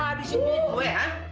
iya lu denger ya